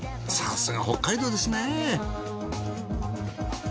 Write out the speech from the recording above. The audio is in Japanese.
さすが北海道ですねぇ。